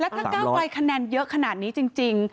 แล้วถ้าเก้าไก่คะแนนเยอะขนาดนี้จริง